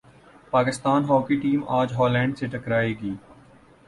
Pakistan hockey team اج Holland سے ٹکرا ئے گی